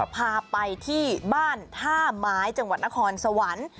พาไปที่บ้านท่าไม้จังหวัดนครสวรรค์